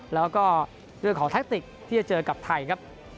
แล้วก็เรื่องของแท็กติกที่จะเจอกับไทยครับ